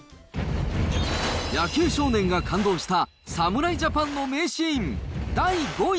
野球少年が感動した侍ジャパンの名シーン、第５位。